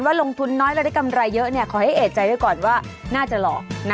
ลงทุนน้อยแล้วได้กำไรเยอะขอให้เอกใจไว้ก่อนว่าน่าจะหลอกนะ